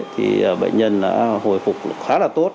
thì bệnh nhân đã hồi phục khá là tốt